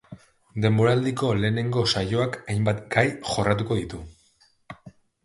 Denboraldiko lehenengo saioak hainbat gai jorratuko ditu.